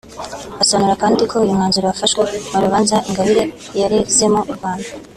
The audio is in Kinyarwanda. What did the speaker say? asobanura kandi ko uyu umwanzuro wafashwe mu rubanza Ingabire yarezemo u Rwanda